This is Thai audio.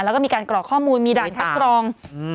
แล้วก็มีการกรอกข้อมูลมีด่านคัดกรอง